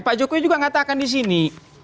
pak jokowi juga mengatakan di sini